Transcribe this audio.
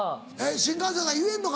新幹線が言えんのか？